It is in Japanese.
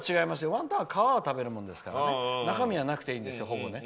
ワンタンは皮を食べるものですから中身はなくていいんですよ、ほぼ。